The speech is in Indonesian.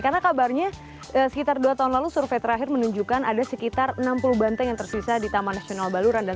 karena kabarnya sekitar dua tahun lalu survei terakhir menunjukkan ada sekitar enam puluh banteng yang tersisa di taman nasional baluran